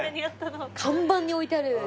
看板に置いてある。